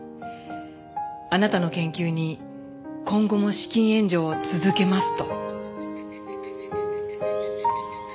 「あなたの研究に今後も資金援助を続けます」と。